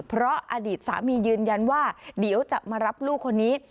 เพราะอดีตสามียืนยันว่าเดี๋ยวจะมารับลูกคนนี้